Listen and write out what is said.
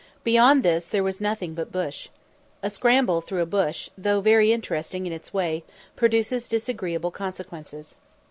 Beyond this there was nothing but bush. A scramble through a bush, though very interesting in its way, produces disagreeable consequences.